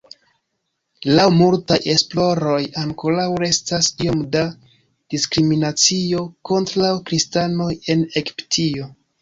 Laŭ multaj esploroj, ankoraŭ restas iom da diskriminacio kontraŭ kristanoj en Egiptio.